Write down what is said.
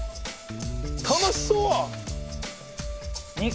楽しそう！